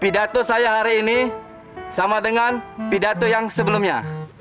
pidato saya hari ini sama dengan pidato yang sebelumnya